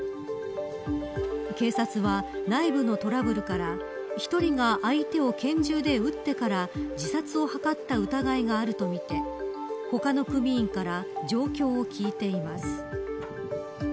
警察は、内部のトラブルから１人が相手を拳銃で撃ってから自殺を図った疑いがあるとみて他の組員から状況を聞いています。